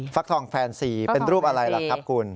ฟักทองแฟนซีเป็นรูปอะไรล่ะครับคุณ